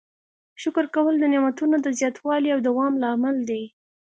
شکر کول د نعمتونو د زیاتوالي او دوام لامل دی.